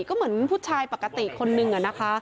ก็เหมือนผู้ชายปกติคนนึงอะนะคะ